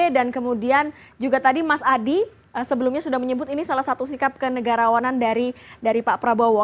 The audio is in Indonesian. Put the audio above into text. dan kemudian juga tadi mas adi sebelumnya sudah menyebut ini salah satu sikap kenegarawanan dari pak prabowo